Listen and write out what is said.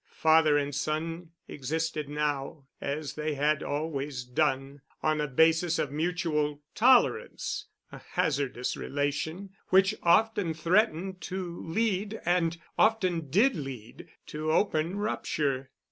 Father and son existed now as they had always done, on a basis of mutual tolerance—a hazardous relation which often threatened to lead and often did lead to open rupture.